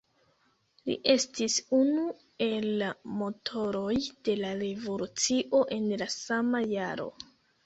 Li estis unu el la motoroj de la revolucio en la sama jaro.